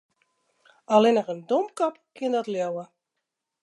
Allinnich in domkop kin dat leauwe.